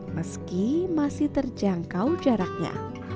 meski masih terjangkau jaraknya